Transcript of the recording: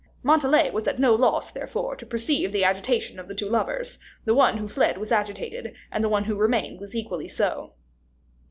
Montalais was at no loss, therefore, to perceive the agitation of the two lovers the one who fled was agitated, and the one who remained was equally so.